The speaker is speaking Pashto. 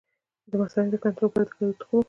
د مثانې د کنټرول لپاره د کدو تخم وخورئ